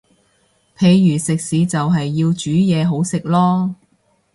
譬如食肆就係要煮嘢好食囉